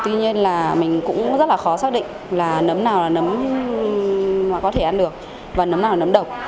tuy nhiên là mình cũng rất là khó xác định là nấm nào là nấm nó có thể ăn được và nấm nào nấm độc